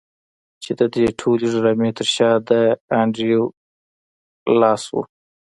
چې د دې ټولې ډرامې تر شا د انډريو کارنګي لاس و.